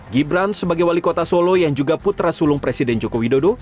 gibran sebagai wali kota solo yang juga putra sulung presiden joko widodo